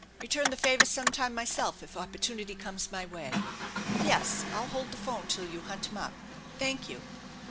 Return the favor sometime myself if opportunity comes my way. Yes, I'll hold the phone till you hunt him up. Thank you."